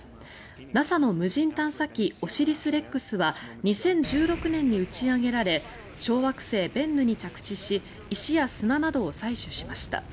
ＮＡＳＡの無人探査機オシリス・レックスは２０１６年に打ち上げられ小惑星ベンヌに着地し石や砂などを採取しました。